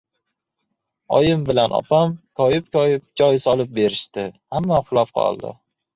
Oyim bilan opam koyib-koyib, joy solib berishdi. Hamma uxlab qoldi.